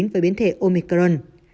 với biến thể omicron